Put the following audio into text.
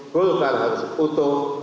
golkar harus utuh